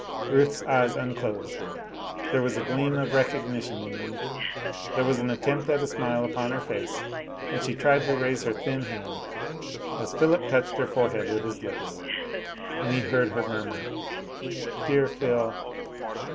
Ruth's eyes unclosed, there was a gleam of recognition in them, there was an attempt at a smile upon her face, and she tried to raise her thin hand, as Philip touched her forehead with his lips; and he heard her murmur, "Dear Phil."